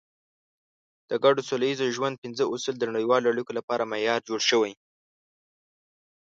د ګډ سوله ییز ژوند پنځه اصول د نړیوالو اړیکو لپاره معیار جوړ شوی.